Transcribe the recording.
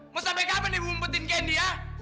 mau sampai kapan ibu umpetin candy ya